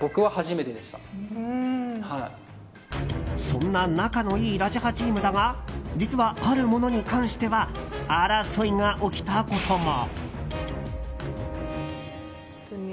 そんな仲のいい「ラジハ」チームだが実は、あるものに関しては争いが起きたことも。